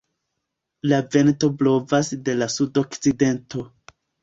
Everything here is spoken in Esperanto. La vento blovas de la sudokcidento.